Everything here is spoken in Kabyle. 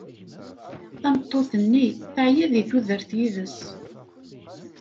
Tameṭṭut-nni teɛya deg tudert yid-s.